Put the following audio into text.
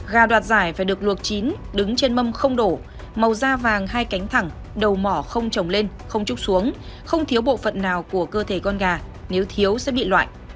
gà đoạt giải phải được luộc chín đứng trên mâm không đổ màu da vàng hai cánh thẳng đầu mỏ không trồng lên không trúc xuống không thiếu bộ phận nào của cơ thể con gà nếu thiếu sẽ bị loại